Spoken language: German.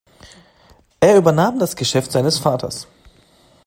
Er übernahm das Geschäft seines Vaters.